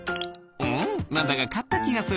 うんなんだかかったきがする。